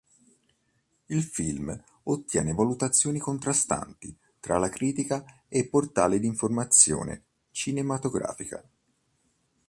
Il film ottiene valutazioni contrastanti tra critica e portali di informazione cinematografica.